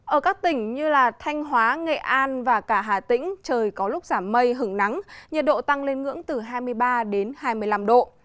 ở các tỉnh như thanh hóa nghệ an và cả hà tĩnh trời có lúc giảm mây hứng nắng nhiệt độ tăng lên ngưỡng từ hai mươi ba đến hai mươi năm độ